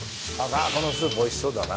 このスープ美味しそうだな。